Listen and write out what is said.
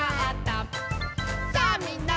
「さあみんな！